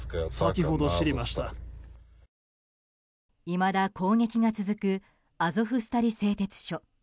いまだ攻撃が続くアゾフスタリ製鉄所。